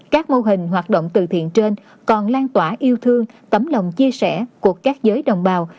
các mô hình hoạt động từ thiện trên còn lan tỏa yêu thương tấm lòng chia sẻ của các giới đồng bào